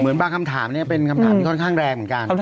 บางคำถามนี้เป็นคำถามที่ค่อนข้างแรงเหมือนกัน